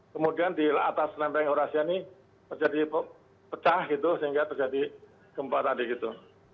kemudian di atas lempeng eurasia ini terjadi pecah gitu sehingga terjadi gempa tadi gitu